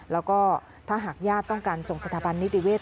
แล้วก็ถ้าหากญาติต้องการส่งสถาบันนิติเวศ